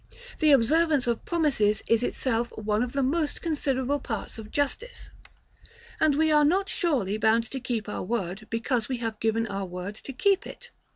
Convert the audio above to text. The observance of promises is itself one of the most considerable parts of justice, and we are not surely bound to keep our word because we have given our word to keep it.